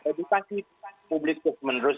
edukasi publis menerus